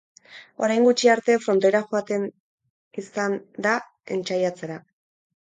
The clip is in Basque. Orain gutxi arte frontoira joaten izan da entsaiatzera.